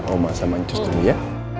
oma sama ancus dulu ya